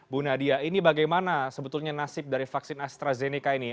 bu nadia ini bagaimana sebetulnya nasib dari vaksin astrazeneca ini